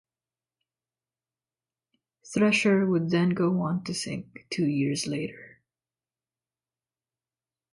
"Thresher" would then go on to sink two years later.